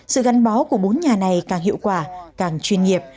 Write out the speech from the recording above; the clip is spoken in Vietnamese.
sự gắn bó của bốn nhà này càng hiệu quả càng chuyên nghiệp